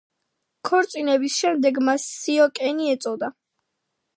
ქორწინების შემდეგ მას სიოკენი ეწოდა.